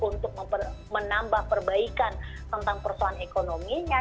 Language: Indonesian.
untuk menambah perbaikan tentang persoalan ekonominya